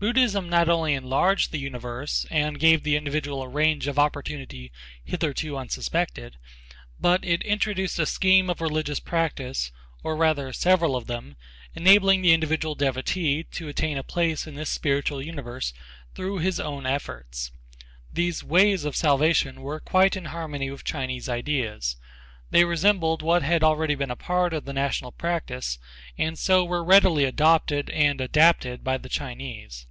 Buddhism not only enlarged the universe and gave the individual a range of opportunity hitherto unsuspected, but it introduced a scheme of religious practice, or rather several of them, enabling the individual devotee to attain a place in this spiritual universe through his own efforts. These "ways" of salvation were quite in harmony with Chinese ideas. They resembled what had already been a part of the national practice and so were readily adopted and adapted by the Chinese.